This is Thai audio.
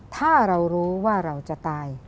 ถ้าเรารู้ว่าเราจะตาย